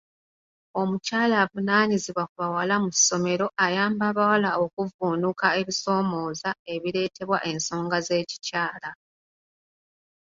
Omukyala avunaanyizibwa ku bawala mu ssomero ayamba abawala okuvvunuka ebisoomooza ebireetebwa ensonga z'ekikyala.